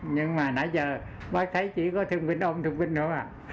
nhưng mà nãy giờ bác thấy chỉ có thương minh ôm thương minh thôi mà